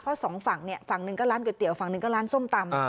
เพราะสองฝั่งเนี่ยฝั่งหนึ่งก็ร้านก๋วยเตี๋ยวฝั่งหนึ่งก็ร้านส้มตำ